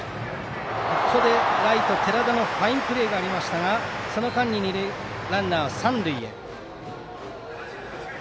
ここでライトの寺田のファインプレーがありましたがその間に二塁ランナーは三塁へ。